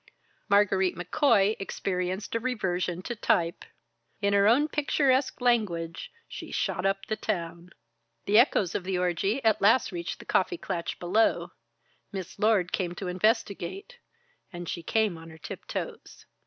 Margarite McCoy experienced a reversion to type. In her own picturesque language, she "shot up the town." The echoes of the orgie at last reached the kaffee klatsch below. Miss Lord came to investigate and she came on her tiptoes.